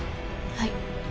はい。